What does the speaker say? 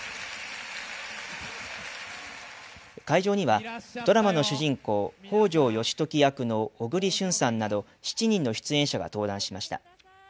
会場にはドラマの主人公、北条義時役の小栗旬さんなど７人の出演者が登壇しました。